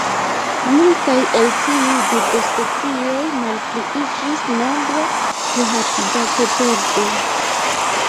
Multaj el tiuj birdospecioj malpliiĝis nombre pro habitatoperdo.